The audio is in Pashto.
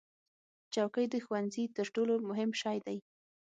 چوکۍ د ښوونځي تر ټولو مهم شی دی.